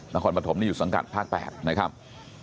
นครปฐมนี่อยู่สังกัดภาค๘นะครับ